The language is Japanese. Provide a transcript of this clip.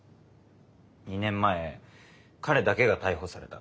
２年前彼だけが逮捕された。